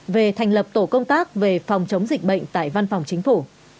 về thành lập tổ công tác về phòng chống dịch bệnh tại văn phòng chính phủ